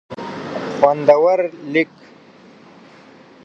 خوندور لیک